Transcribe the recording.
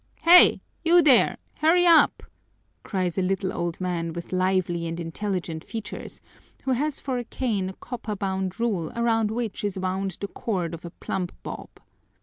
"Hey, you there! Hurry up!" cries a little old man with lively and intelligent features, who has for a cane a copper bound rule around which is wound the cord of a plumb bob.